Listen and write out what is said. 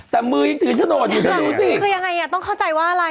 แต่มือยังถือโฉนดอยู่เธอดูสิคือยังไงอ่ะต้องเข้าใจว่าอะไร